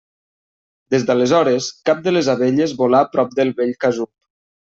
Des d'aleshores, cap de les abelles volà prop del vell casup.